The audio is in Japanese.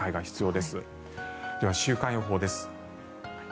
では週間予報です。